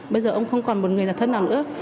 bây giờ ông không còn một người là thân nào nữa